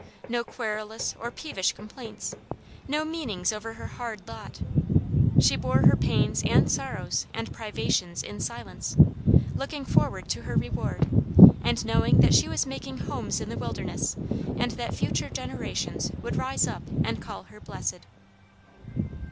No querulous or peevish complaints, no meanings over her hard lot. She bore her pains and sorrows and privations in silence, looking forward to her reward, and knowing that she was making homes in the wilderness, and that future generations would rise up and call her blessed.